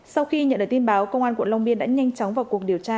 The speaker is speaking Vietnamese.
sau khi nhận được tin báo công an quận long biên đã nhanh chóng vào cuộc điều tra